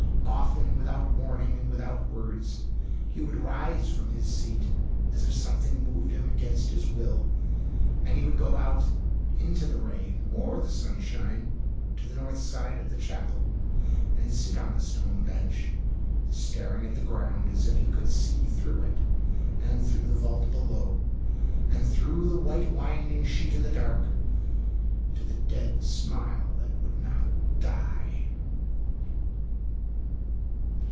Often, without warning and without words, he would rise from his seat, as if something moved him against his will, and he would go out into the rain or the sunshine to the north side of the chapel, and sit on the stone bench, staring at the ground as if he could see through it, and through the vault below, and through the white winding sheet in the dark, to the dead smile that would not die.